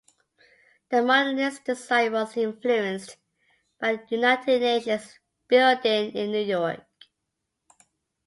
The modernist design was influenced by the United Nations building in New York.